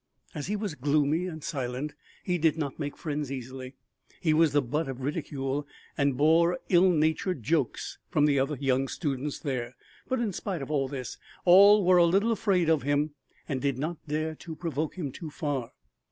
As he was gloomy and silent and did not make friends easily, he was the butt of ridicule and bore ill natured jokes from the other young students there, but in spite of this, all were a little afraid of him and did not dare to provoke him too far.